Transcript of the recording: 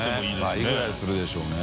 倍ぐらいするでしょうね